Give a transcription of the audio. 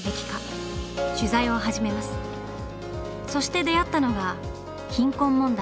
そして出会ったのが「貧困問題」。